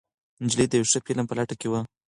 نجلۍ د یو ښه فلم په لټه کې وه.